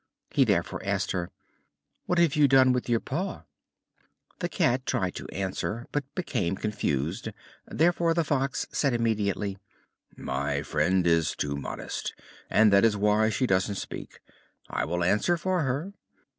He therefore asked her: "What have you done with your paw?" The Cat tried to answer, but became confused. Therefore the Fox said immediately: "My friend is too modest, and that is why she doesn't speak. I will answer for her.